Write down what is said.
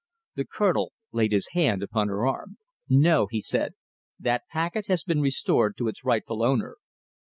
The Colonel laid his hand upon her arm. "No!" he said, "that packet has been restored to its rightful owner."